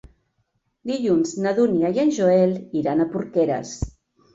Dilluns na Dúnia i en Joel iran a Porqueres.